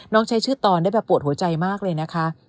ใช้ชื่อตอนได้แบบปวดหัวใจมากเลยนะคะ